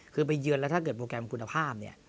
คือไปเยือนแล้วถ้าเกิดโปรแกรมคุณภาพเนี่ย